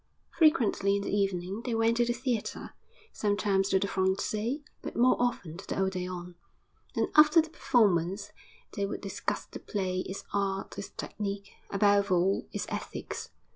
Frequently in the evening they went to the theatre; sometimes to the Français, but more often to the Odéon; and after the performance they would discuss the play, its art, its technique above all, its ethics.